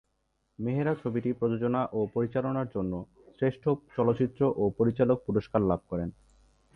মেহরা ছবিটি প্রযোজনা ও পরিচালনার জন্য শ্রেষ্ঠ চলচ্চিত্র ও পরিচালক পুরস্কার লাভ করেন।